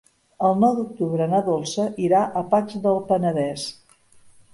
El nou d'octubre na Dolça irà a Pacs del Penedès.